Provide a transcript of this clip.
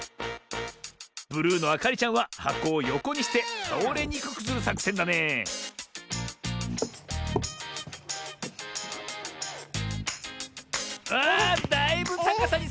ブルーのあかりちゃんははこをよこにしてたおれにくくするさくせんだねあだいぶたかさにさがでてきたな。